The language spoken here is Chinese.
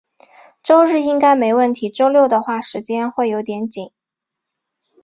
周日应该没问题，周六的话，时间会有点紧。